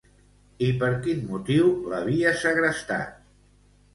I per quin motiu l'havia segrestat?